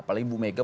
apalagi bu mega